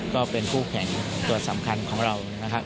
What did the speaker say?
ก็เป็นคู่แข่งตัวสำคัญของเรานะครับ